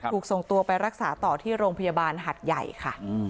ถูกส่งตัวไปรักษาต่อที่โรงพยาบาลหัดใหญ่ค่ะ